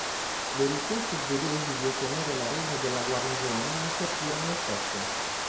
Le richieste svedesi di ottenere la resa della guarnigione non sortirono effetto.